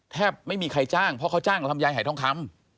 แทบไม่มีใครจ้างเพราะเขาจ้างลำยายหายทองคำ